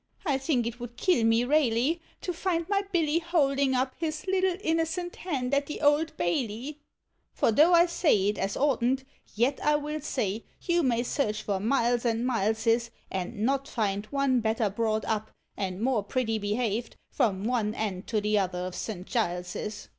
I think it would kill me raily, To find my Hill holdin' up bis little innocent hand at the Old Hailey. Digitized by Google ABOUT CHILDREN. 53 For though I say it as oughtn't, yet I will say, you may search for miles and mileses And not find one better brought up, and more pretty behaved, from one end to t' other of .St. Giles's.